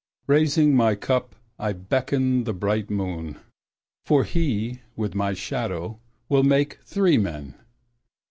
Raising my cup I beckon the bright moon, For he, with my shadow, will make three men.